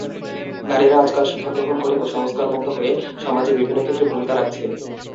নারীরা আজকাল শিক্ষা গ্রহণ করে কুসংস্কারমুক্ত হয়ে সমাজে বিভিন্ন ক্ষেত্রে ভূমিকা রাখছে।